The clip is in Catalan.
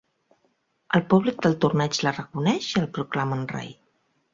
El públic del torneig la reconeix i el proclamen rei.